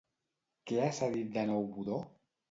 Què ha asserit de nou Budó?